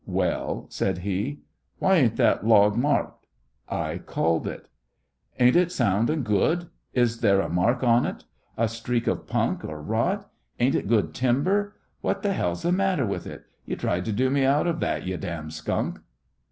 "Well?" said he. "Why ain't that log marked?" "I culled it." "Ain't it sound and good? Is there a mark on it? A streak of punk or rot? Ain't it good timber? What the hell's th' matter with it? You tried to do me out of that, you damn skunk."